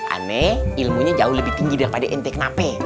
aneh ilmunya jauh lebih tinggi daripada ente kenapa